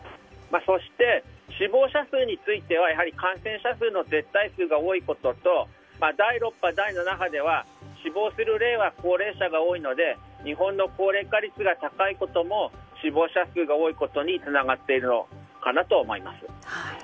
そして、死亡者数については感染者数の絶対数が多いことと第６波、第７波では死亡する例は高齢者が多いので日本の高齢化率が高いことも死亡者数が多いことにつながっているのかなと思います。